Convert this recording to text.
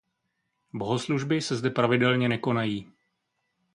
Bohoslužby se zde pravidelně nekonají.